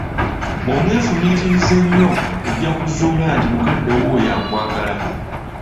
Bw'oneefumitiriza ennyo ojja kuzzuula nti mukadde wo oyo akwagala.